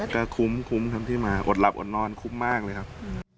ก็คุ้มครับที่มาอดหลับอดนอนคุ้มมากเลยครับ